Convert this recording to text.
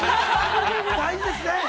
◆大事ですね。